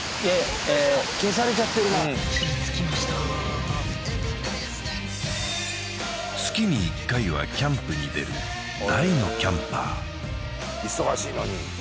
消されちゃってるな火つきました月に１回はキャンプに出る大のキャンパー